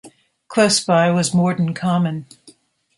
Close by was Morden Common.